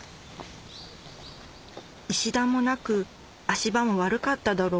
石段もなく足場も悪かっただろう